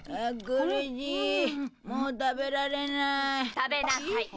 食べなさい。